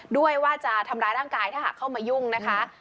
ด้วยว่าจะทำร้ายร่างกายถ้าหากเข้ามายุ่งนะคะ